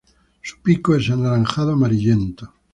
Su pico es anaranjado amarillento.